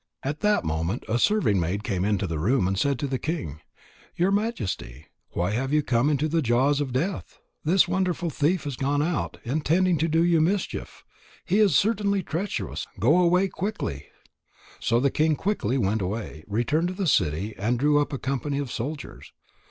At that moment a serving maid came into the room and said to the king: "Your Majesty, why have you come into the jaws of death? This wonderful thief has gone out, intending to do you a mischief. He is certainly treacherous. Go away quickly." So the king quickly went away, returned to the city, and drew up a company of soldiers.